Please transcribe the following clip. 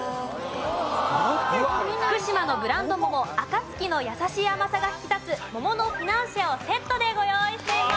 福島のブランド桃あかつきの優しい甘さが引き立つ桃のフィナンシェをセットでご用意しています。